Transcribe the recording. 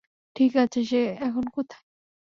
ঠিক আছে, সে এখন কোথায়?